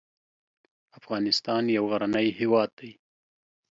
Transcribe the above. افغانستان یو غرنی هیواد دی